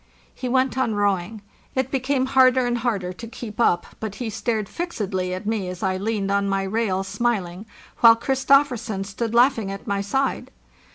He went on rowing. It became harder and harder to keep up, but he stared fixedly at me as I leaned on the rail smiling, while Christofersen stood laughing at my side.